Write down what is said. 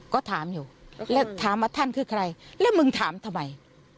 ก็ถามอยู่แล้วถามว่าท่านคือใครแล้วมึงถามทำไม